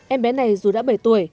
em bé này dù đã bảy tuổi